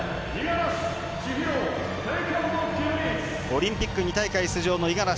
オリンピック２大会出場の五十嵐。